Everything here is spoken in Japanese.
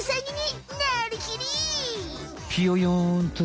ピヨヨンとな。